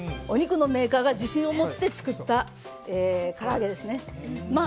お肉のメーカーが自信を持って作ったから揚げですね。